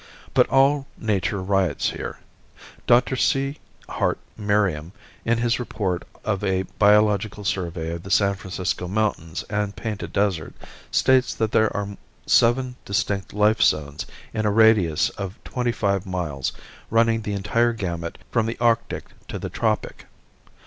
But all nature riots here. Dr. C. Hart Merriam, in his report of a biological survey of the San Francisco mountains and Painted Desert, states that there are seven distinct life zones in a radius of twenty five miles running the entire gamut from the Arctic to the Tropic.